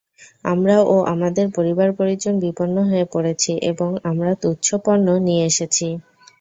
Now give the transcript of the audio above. আমরা ও আমাদের পরিবার-পরিজন বিপন্ন হয়ে পড়েছি এবং আমরা তুচ্ছ পণ্য নিয়ে এসেছি।